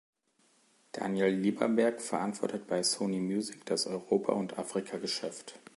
Daniel Lieberberg verantwortet bei Sony Music das Europa- und Afrika-Geschäft.